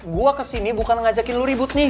gue kesini bukan ngajakin lu ribut nih